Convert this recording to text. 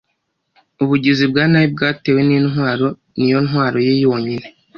Ubugizi bwa nabi bwatewe nintwaro niyo ntwaro ye yonyine